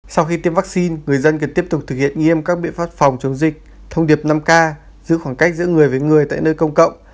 sau khi tiêm vaccine người dân cần tiếp tục thực hiện nghiêm các biện pháp phòng chống dịch thông điệp năm k giữ khoảng cách giữa người với người tại nơi công cộng